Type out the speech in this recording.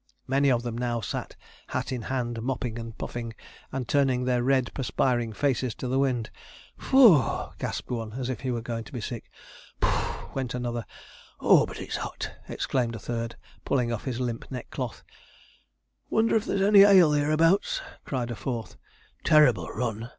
Many of them now sat hat in hand, mopping, and puffing, and turning their red perspiring faces to the wind. 'Poough,' gasped one, as if he was going to be sick; 'Puff,' went another; 'Oh! but it's 'ot!' exclaimed a third, pulling off his limp neckcloth; 'Wonder if there's any ale hereabouts,' cried a fourth; 'Terrible run!'